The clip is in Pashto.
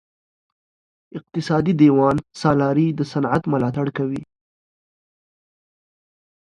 اقتصادي دیوان سالاري د صنعت ملاتړ کوي.